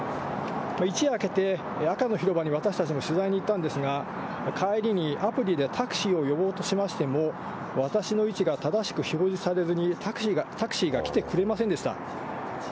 一夜明けて赤の広場に私たちも取材に行ったんですが、帰りにアプリでタクシーを呼ぼうとしましても、私の位置が正しく表示されずにタクシーが来てくれませんでした。